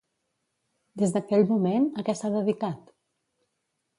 Des d'aquell moment, a què s'ha dedicat?